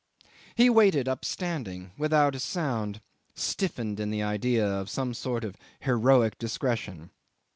He waited upstanding, without a sound, stiffened in the idea of some sort of heroic discretion.